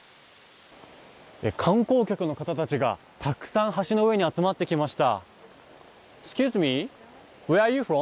観光客の方たちがたくさん橋の上に集まってきました。